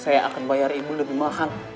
saya akan bayar ibu lebih mahal